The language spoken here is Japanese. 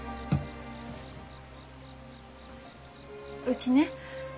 うちね